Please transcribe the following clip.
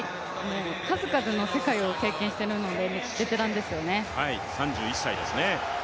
数々の世界を経験しているのでベテランですよ。